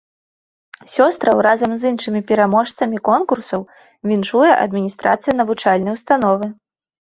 Сёстраў разам з іншымі пераможцамі конкурсаў віншуе адміністрацыя навучальнай установы.